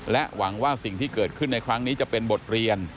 หวังว่าสิ่งที่เกิดขึ้นในครั้งนี้จะเป็นบทเรียน